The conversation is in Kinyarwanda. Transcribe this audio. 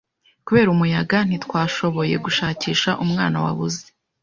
Kubera umuyaga, ntitwashoboye gushakisha umwana wabuze.